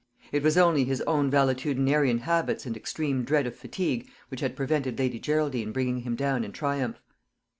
It was only his own valetudinarian habits and extreme dread of fatigue which had prevented Lady Geraldine bringing him down in triumph.